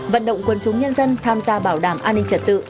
vận động quân chúng nhân dân tham gia bảo đảm an ninh trật tự